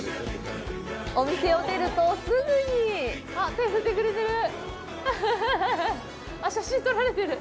お店を出ると、すぐにあっ、写真撮られてる。